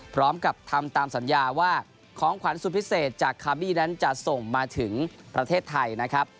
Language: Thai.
พร้อมกับทำตามสัญญาว่าของขวัญสุดพิเศษจากคาร์บี้นั้นจะส่งมาถึงประเทศไทยนะครับ